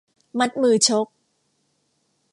มัดมือชก